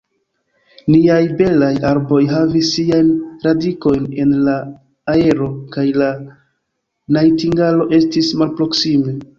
Niaj belaj arboj havis siajn radikojn en la aero, kaj la najtingalo estis malproksime.